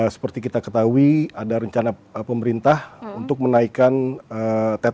seperti kita ketahui ada rencana pemerintah untuk menaikkan tps